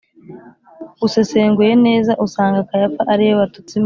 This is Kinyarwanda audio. usesenguye neza, usanga kayafa ari we watutse imana